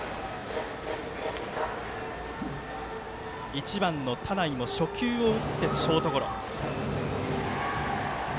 １番、田内も初球を打ってショートゴロ。